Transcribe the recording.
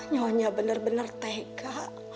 nyonya bener bener tega